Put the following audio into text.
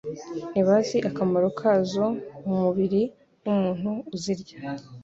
ntibazi akamaro kazo mu mubiri w'umuntu uzirya.